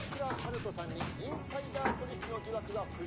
人さんにインサイダー取引の疑惑が浮上と」。